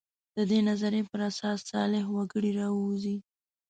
د دې نظریې پر اساس صالح وګړي راووځي.